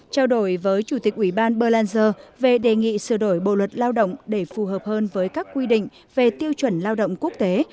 trao đổi với chủ tịch ủy ban berlanger về đề nghị sửa đổi bộ luật lao động để phù hợp hơn với các quy định về tiêu chuẩn lao động quốc tế